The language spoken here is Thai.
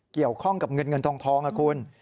เกี่ยวข้องกับเงินเงินทองนะคุณ